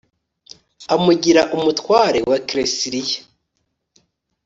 amugira umutware wa kelesiriya